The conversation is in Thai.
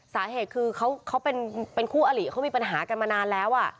สาเหตุคือเขาเป็นคู่อลิเขามีปัญหากันมานานแล้ว